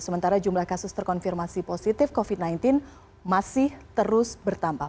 sementara jumlah kasus terkonfirmasi positif covid sembilan belas masih terus bertambah